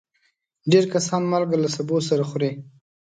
ډېر کسان مالګه له سبو سره خوري.